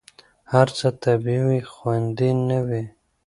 هر څه طبیعي وي، خوندي نه وي.